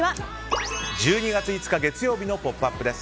１２月５日、月曜日の「ポップＵＰ！」です。